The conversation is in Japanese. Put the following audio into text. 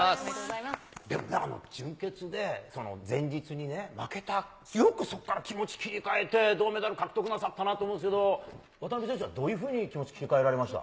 でも準決で前日にね、負けた、よくそこから気持ち切り替えて、銅メダル獲得なさったなと思うんですけど、渡辺選手はどういうふうに気持ち切り替えられました？